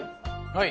はい。